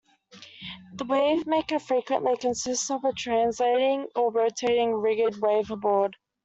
The wavemaker frequently consists of a translating or rotating rigid wave board.